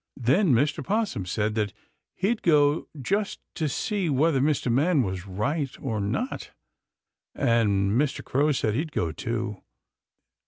Then Mr. 'Possum said he'd go just to see whether Mr. Man was right or not, and Mr. Crow said he'd go, too.